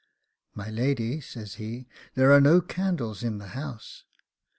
'My lady,' says he, 'there are no candles in the house.